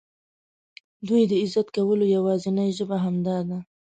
د دوی د عزت کولو یوازینۍ ژبه همدا ده.